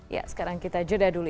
ya sekarang kita jeda dulu